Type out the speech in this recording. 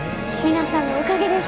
皆さんのおかげです。